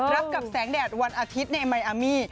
รับกับแสงแดดวันอาทิตย์ในมายอามี่